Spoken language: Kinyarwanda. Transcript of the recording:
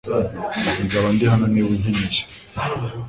Nzaba ndi hano niba unkeneye .